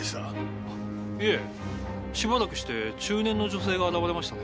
いえしばらくして中年の女性が現れましたね。